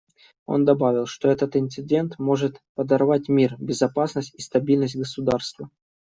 Он добавил, что этот инцидент может подорвать мир, безопасность и стабильность государства.